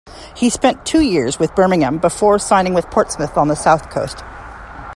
He spent two years with Birmingham before signing with Portsmouth on the south coast.